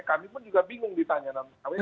kami pun juga bingung ditanya